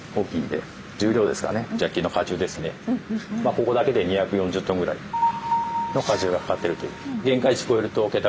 ここだけで２４０ｔぐらいの荷重がかかっている。